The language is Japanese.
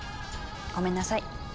ごめんなさい。